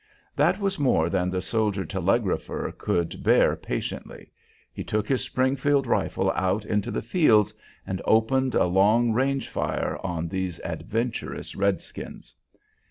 That was more than the soldier telegrapher could bear patiently. He took his Springfield rifle out into the fields, and opened a long range fire on these adventurous redskins.